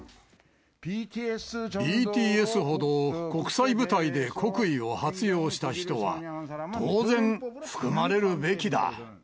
ＢＴＳほど国際舞台で国威を発揚した人は、当然含まれるべきだ。